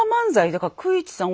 だから九一さん